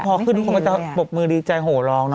พอขึ้นเขาก็จะปบมือดีใจโหล้งนะ